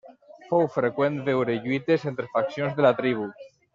Fou freqüent veure lluites entre faccions de la tribu.